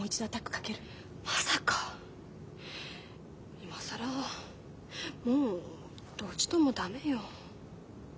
今更もうどっちとも駄目よ。